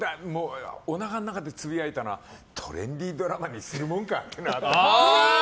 おなかの中でつぶやいたのはトレンディードラマにするもんかっていう。